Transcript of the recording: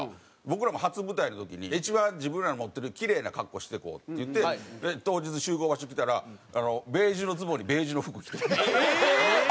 僕らも初舞台の時に一番自分らの持ってるキレイな格好していこうって言って当日集合場所来たらベージュのズボンにベージュの服着てきたんですよ。